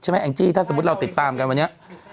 ใช่ไหมใอ๊งจี้ถ้าสมมติเราติดตามกันวันนี้